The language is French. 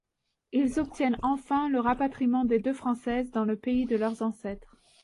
Ils obtiennent enfin le rapatriement des deux Françaises dans le pays de leurs ancêtres.